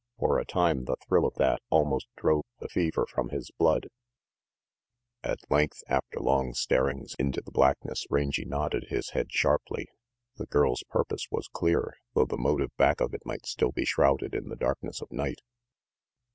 For a time the thrill of that almost drove the fever from his blood. At length, after long staring into the blackness, Rangy nodded his head sharply. The girl's purpose was clear, though the motive back of it might still be shrouded in the darkness of night.